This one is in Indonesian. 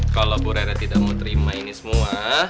kalau bu rena tidak mau terima ini semua